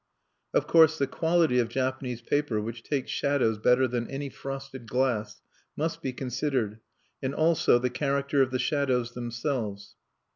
Of course, the quality of Japanese paper, which takes shadows better than any frosted glass, must be considered, and also the character of the shadows themselves.